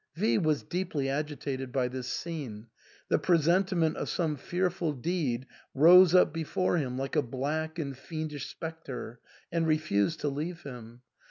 V was deeply agitated by this scene ; the presentiment of some fearful deed rose up before him like a black and fiendish spectre, and refused to leave him.